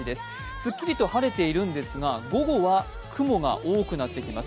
すっきりと晴れているんですが、午後は雲が多くなってきます。